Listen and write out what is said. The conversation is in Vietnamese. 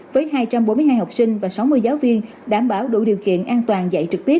với hai trăm bốn mươi hai học sinh và sáu mươi giáo viên đảm bảo đủ điều kiện an toàn dạy trực tiếp